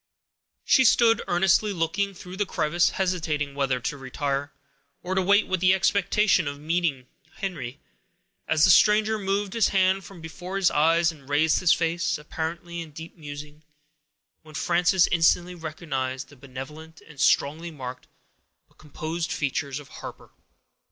She stood, earnestly looking through the crevice, hesitating whether to retire, or to wait with the expectation of yet meeting Henry, as the stranger moved his hand from before his eyes, and raised his face, apparently in deep musing, when Frances instantly recognized the benevolent and strongly marked, but composed features of Harper.